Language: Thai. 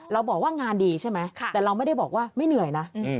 เราบอกว่างานดีใช่ไหมแต่เราไม่ได้บอกว่าไม่เหนื่อยนะ